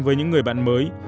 với những người bạn mới